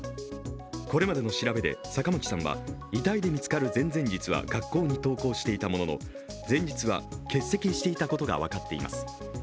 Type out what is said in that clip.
これまでの調べで坂巻さんは遺体で見つかる前々日は学校に登校していたものの、前日は欠席していたことが分かっています。